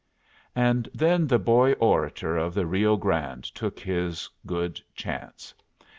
And then the Boy Orator of the Rio Grande took his good chance.